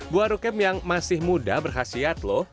buah rukam yang masih mudah berkhasiat loh